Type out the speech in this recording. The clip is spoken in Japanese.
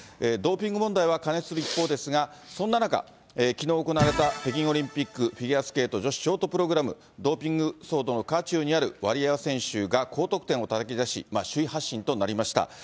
ドーピング問題は過熱する一方ですが、そんな中、きのう行われた北京オリンピックフィギュアスケート女子ショートプログラム、ドーピング騒動の渦中にあるワリエワ選手が高得点をたたき出し、首位発進となりました。